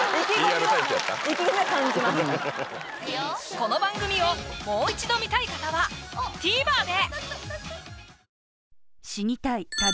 この番組をもう一度観たい方はＴＶｅｒで！